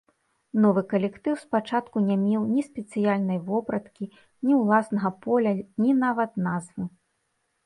Новы калектыў спачатку не меў ні спецыяльнай вопраткі, ні ўласнага поля, ні нават назвы.